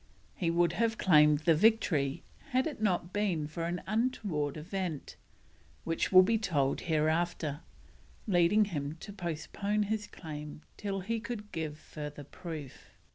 He would have claimed the victory had it not been for an untoward event, which will be told hereafter, leading him to postpone his claim till he could give further proof.